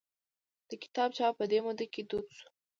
د کتاب چاپ په دې موده کې دود شو.